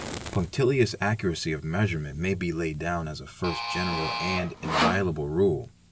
| Punctilious accuracy of measurement may be laid down as a first general and inviolable rule.